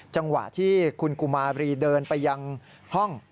จังหวะที่คุณกุมารีเดินไปยังห้อง